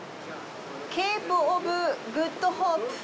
ケープ・オブ・グッドホープ。